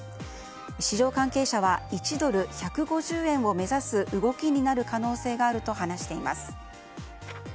市場関係者は１ドル＝１５０円を目指す動きになる可能性があると話しています。